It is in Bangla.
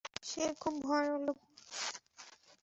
সে খুব ভয়ানক লোক, বস।